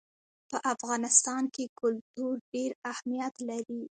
په افغانستان کې کلتور ډېر اهمیت لري.